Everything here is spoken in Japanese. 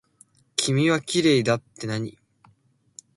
君はきれいだってなに。